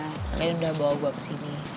akhirnya udah bawa gue ke sini